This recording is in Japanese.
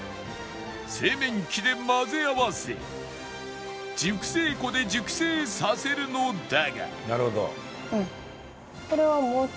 製麺機で混ぜ合わせ熟成庫で熟成させるのだが